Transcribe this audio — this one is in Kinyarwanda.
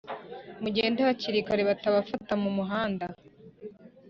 Mugende hakiri kare batabafatira mu muhanda